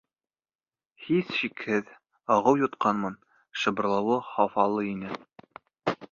— Һис шикһеҙ, ағыу йотҡанмын, — шыбырлауы хафалы ине.